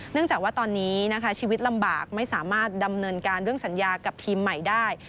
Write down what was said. จากว่าตอนนี้นะคะชีวิตลำบากไม่สามารถดำเนินการเรื่องสัญญากับทีมใหม่ได้